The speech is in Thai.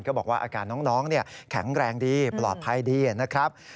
บอกว่าอาการน้องแข็งแรงดีปลอดภัยดีนะครับ